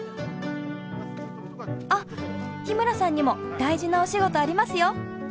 あっ日村さんにも大事なお仕事ありますよ。